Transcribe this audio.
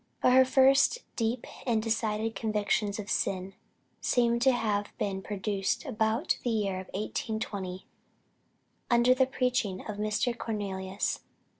But her first deep and decided convictions of sin, seem to have been produced, about the year 1820, under the preaching of Mr. Cornelius.